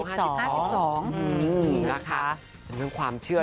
อืมนะคะเป็นเรื่องความเชื่อ